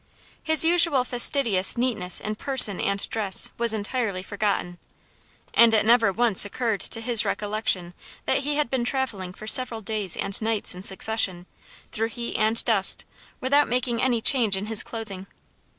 His usual fastidious neatness in person and dress was entirely forgotten, and it never once occurred to his recollection that he had been travelling for several days and nights in succession, through heat and dust, without making any change in his clothing.